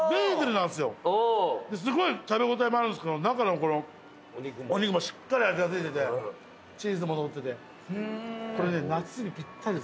すごい食べ応えもあるんすけど中のお肉もしっかり味が付いててチーズものっててこれね夏にぴったりです。